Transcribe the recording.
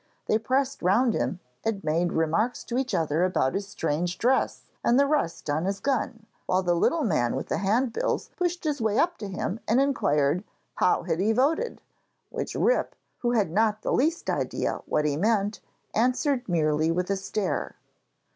They pressed round him and made remarks to each other about his strange dress and the rust on his gun, while the little man with the handbills pushed his way up to him and inquired 'how he had voted?' which Rip, who had not the least idea what he meant, answered merely with a stare.